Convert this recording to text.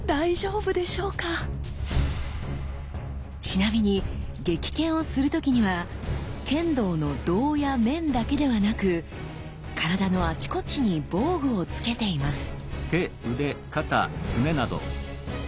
ちなみに撃剣をする時には剣道の胴や面だけではなく体のあちこちに防具を着けています。